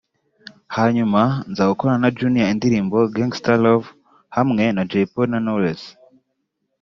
hanyuma nza gukorana na Junior indirimbo “Gangster Love” hamwe na Jay Polly na Knowless